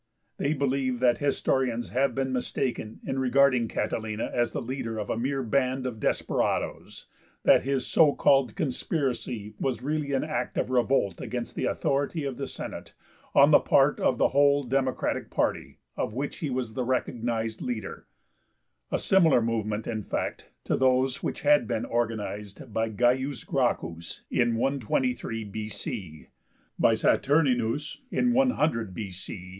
They believe that historians have been mistaken in regarding Catilina as the leader of a mere band of desperadoes; that his so called 'conspiracy' was really an act of revolt against the authority of the Senate on the part of the whole democratic party, of which he was the recognized leader (a similar movement, in fact, to those which had been organized by Gaius Gracchus in 123 B.C., by Saturninus in 100 B.C.